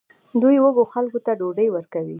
دوی وږو خلکو ته ډوډۍ ورکوي.